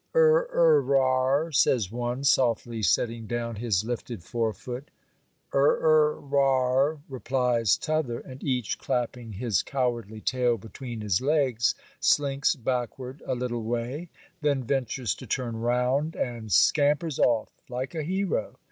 Er er rar says one, softly setting down his lifted fore foot. Er er rar, replies t'other; and each clapping his cowardly tail between his legs slinks backward a little way; then ventures to turn round, and scampers off like a hero.